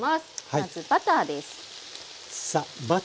まずバターです。